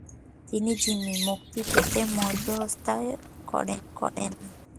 তিনি জিম্মি মুক্তি পেতে মধ্যস্থতা করেন।